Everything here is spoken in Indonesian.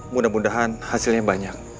mudah mudahan hasilnya banyak